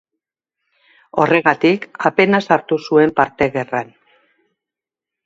Horregatik apenas hartu zuen parte gerran.